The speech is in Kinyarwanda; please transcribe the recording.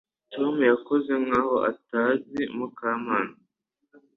Tom yakoze nkaho atazi Mukamana